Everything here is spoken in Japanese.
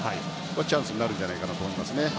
チャンスになるんじゃないかなと思いますね。